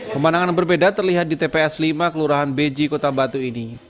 pemandangan berbeda terlihat di tps lima kelurahan beji kota batu ini